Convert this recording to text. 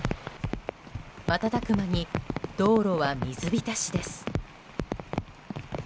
瞬く間に道路は水浸しです。